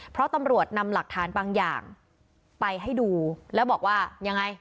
เพราะตำรวจนำหลักฐานบางอย่างไปให้ดูแล้วบอกว่ายังไง